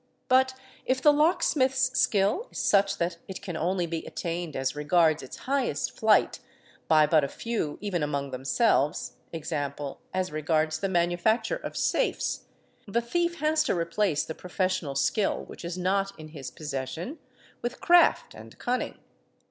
But if the locksmith's skill is such that it can only be attained as regards its highest flight by but a few even among themselves, e¢.g., as regards the manufacture of safes, the thief has to replace the professional skill which is not in his possession with craft and cunning.